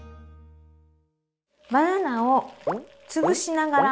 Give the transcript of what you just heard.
バナナを潰しながら。